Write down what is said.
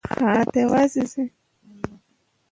دا د هغه نسل څېره ده،